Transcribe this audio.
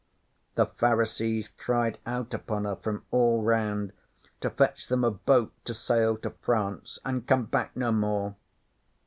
'The Pharisees cried out upon her from all round to fetch them a boat to sail to France, an' come back no more.